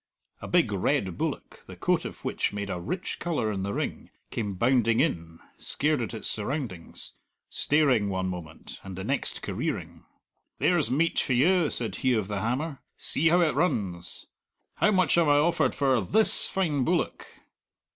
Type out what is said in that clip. A big red bullock, the coat of which made a rich colour in the ring, came bounding in, scared at its surroundings staring one moment and the next careering. "There's meat for you," said he of the hammer; "see how it runs! How much am I offered for this fine bullock?"